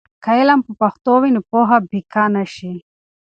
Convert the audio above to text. که علم په پښتو وي، نو پوهه پیکه نه شي.